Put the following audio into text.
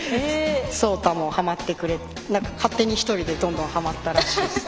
草太もはまってくれて勝手に１人でどんどん、はまったらしいです。